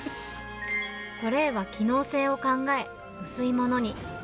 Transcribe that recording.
トレーは機能性を考え薄いものに。